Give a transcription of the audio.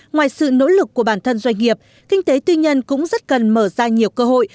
ngoài sự nỗ lực của bản thân doanh nghiệp kinh tế tư nhân cũng rất cần mở ra nhiều cơ hội